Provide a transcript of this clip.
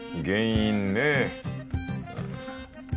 原因ね。